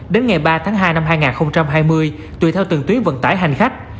đến ngày ba tháng hai năm hai nghìn hai mươi tùy theo từng tuyến vận tải hành khách